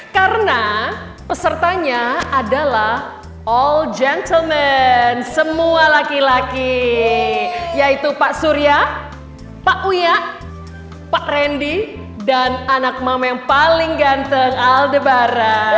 karena pesertanya adalah all gentlemen semua laki laki yaitu pak surya pak uya pak randy dan anak mama yang paling ganteng aldebaran